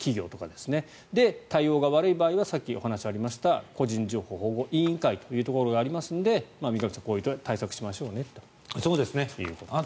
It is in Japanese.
で、対応が悪い場合はさっきお話がありました個人情報保護委員会というところがありますので三上さん、こういう対策をしましょうねということですね。